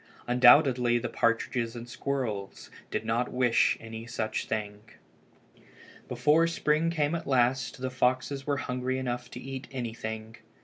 Undoubtedly the partridges and the squirrels did not wish any such thing. Before spring came at last the foxes were hungry enough to eat anything.